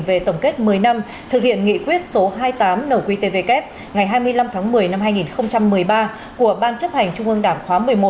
về tổng kết một mươi năm thực hiện nghị quyết số hai mươi tám nqtvk ngày hai mươi năm tháng một mươi năm hai nghìn một mươi ba của ban chấp hành trung ương đảng khóa một mươi một